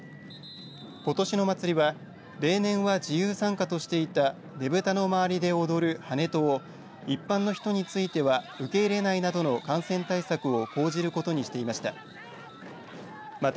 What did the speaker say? ことしの祭りは例年は自由参加としていたねぶたの周りで踊るハネトを一般の人については受け入れないなどの感染対策を講じることにしていました。